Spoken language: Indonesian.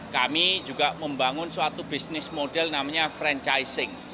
kami juga membangun suatu bisnis model namanya franchising